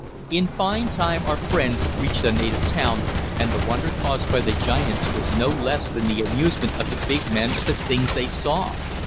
In fine time our friends reached a native town and the wonder caused by the giants was no less than the amusement of the big men at the things they saw.